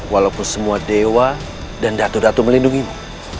walaupun semua dewa dan datu datu melindungimu